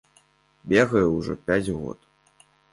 Бегаю ўжо пяць год.